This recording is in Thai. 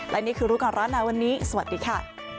และนี่คือรู้ก่อนร้อนหนาวันนี้สวัสดีค่ะ